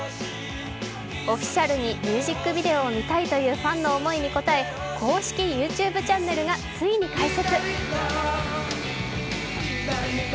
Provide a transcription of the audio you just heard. オフィシャルにミュージックビデオを見たいというファンの思いに応え公式ＹｏｕＴｕｂｅチャンネルがついに開設。